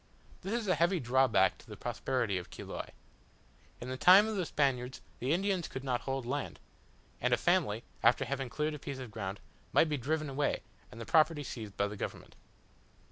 This is a heavy drawback to the prosperity of Chiloe. In the time of the Spaniards the Indians could not hold land; and a family, after having cleared a piece of ground, might be driven away, and the property seized by the government.